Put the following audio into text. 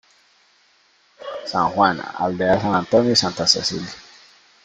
San Juan, Aldea San Antonio y Santa Celia.